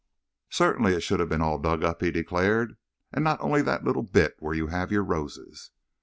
"Certainly it should have been all dug up," he declared, "and not only that little bit where you have your roses."